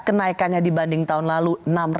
kenaikannya dibanding tahun lalu enam ratus